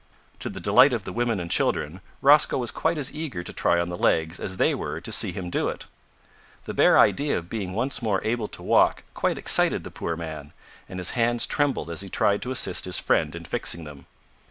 To the delight of the women and children, Rosco was quite as eager to try on the legs as they were to see him do it. The bare idea of being once more able to walk quite excited the poor man, and his hands trembled as he tried to assist his friend in fixing them.